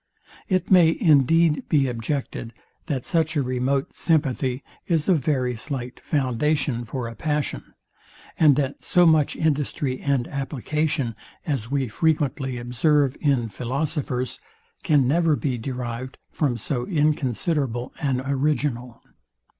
It may indeed be objected, that such a remote sympathy is a very slight foundation for a passion, and that so much industry and application, as we frequently observe in philosophers, can never be derived from so inconsiderable an original.